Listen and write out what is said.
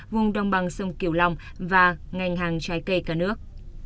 vùng đồng bằng sông kiều long và ngành hàng trái cây cả nước